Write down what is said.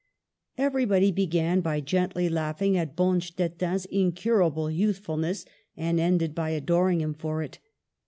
Everybody began by gently laughing at Bonstetten's incurable youthfulness, and ended by adoring him for it.